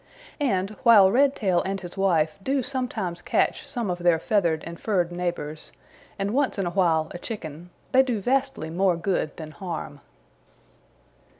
And while Redtail and his wife do sometimes catch some of their feathered and furred neighbors, and once in a while a chicken, they do vastly more good than harm.